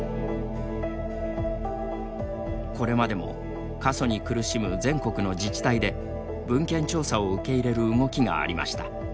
これまでも過疎に苦しむ全国の自治体で文献調査を受け入れる動きがありました。